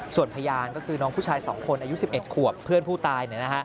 ส่วนพยานก็คือน้องผู้ชาย๒คนอายุ๑๑ขวบเพื่อนผู้ตาย